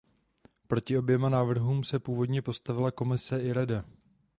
Proti oběma návrhům se původně postavila Komise i Rada.